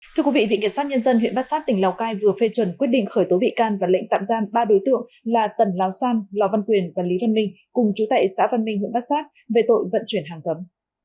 thưa quý vị viện kiểm sát nhân dân huyện bát sát tỉnh lào cai vừa phê chuẩn quyết định khởi tố bị can và lệnh tạm giam ba đối tượng là tần lào san lò văn quyền và lý văn minh cùng chú tệ xã văn minh huyện bát sát về tội vận chuyển hàng cấm